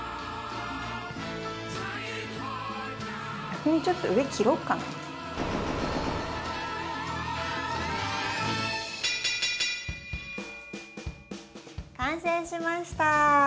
逆にちょっと上切ろっかな？完成しました！